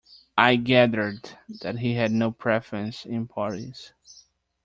I gathered that he had no preference in parties.